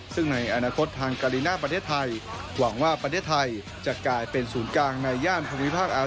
อย่างจริงจังขณะที่ประเทศไทยกำลังเรียนรู้และพัฒนาบุคลากร